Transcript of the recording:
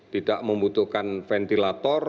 tidak membutuhkan ventilator